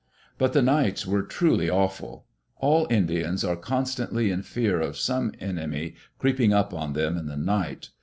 But the nights were truly awful. All Indians are con stantly in fear of some enemy creeping up on them in the night.